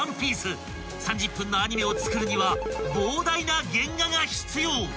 ［３０分のアニメを作るには膨大な原画が必要］